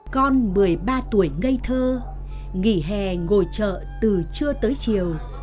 con một mươi ba tuổi ngây thơ nghỉ hè ngồi trợ từ trưa tới chiều